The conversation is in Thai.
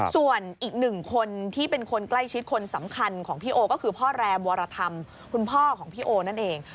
ส่วนอีกหนึ่งคนที่เป็นคนใกล้ชิดคนสำคัญของพี่โอก็คือพ่อแรมวรธรรมคุณพ่อของพี่โอนั่นเอง